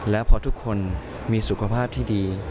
แล้วพอทุกคนมีสุขภาพที่ดี